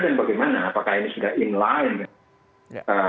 dan bagaimana apakah ini sudah in line